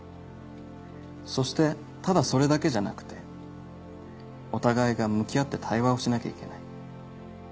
そしてただそれだけじゃなくてお互いが向き合って対話をしなきゃいけない。